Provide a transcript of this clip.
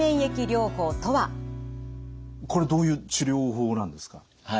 これどういう治療法なんですか？